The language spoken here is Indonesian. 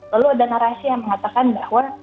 lalu ada narasi yang mengatakan bahwa